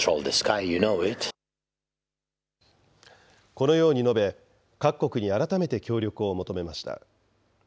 このように述べ、各国に改めて協力を求めました。